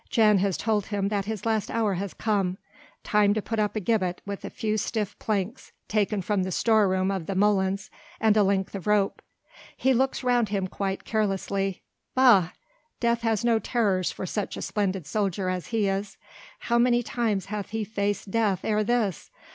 Jan has told him that his last hour has come: time to put up a gibbet with a few stiff planks taken from the store room of the molens and a length of rope. He looks round him quite carelessly. Bah! death has no terrors for such a splendid soldier as he is. How many times hath he faced death ere this?